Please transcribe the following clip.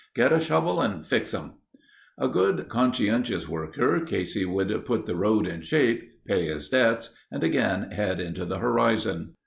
"Get a shovel and fix 'em." A good conscientious worker, Casey would put the road in shape, pay his debts and again head into the horizon.